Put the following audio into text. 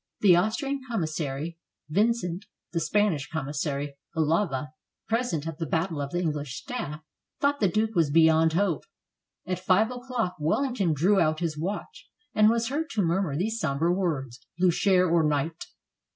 The Austrian commissary, Vin cent, the Spanish commissary, Olava, present at the battle of the English staff, thought the Duke was beyond hope. At 5 o'clock Wellington drew out his watch, and was heard to murmur these somber words: "Bliicher or night."